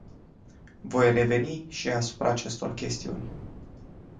Voi reveni și asupra acestor chestiuni.